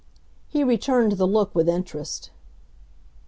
He returned the look with interest.